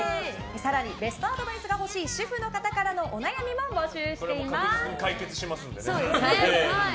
更にベストアドバイスが欲しい主婦の方からの確実に解決しますので。